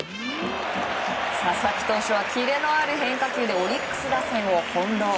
佐々木投手はキレのある変化球でオリックス打線を翻弄。